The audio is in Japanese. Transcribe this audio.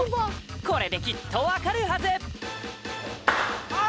これできっとわかるはずあー！